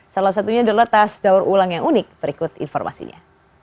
salah satunya adalah tas daur ulang yang unik berikut informasinya